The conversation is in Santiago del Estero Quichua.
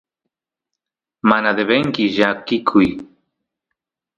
mana devenki llakikuy